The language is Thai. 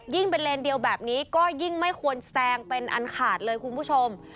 เป็นเลนเดียวแบบนี้ก็ยิ่งไม่ควรแซงเป็นอันขาดเลยคุณผู้ชม